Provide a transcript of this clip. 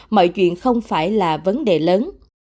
mọi chuyện không phải là vấn đề lớn